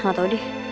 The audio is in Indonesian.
gak tau deh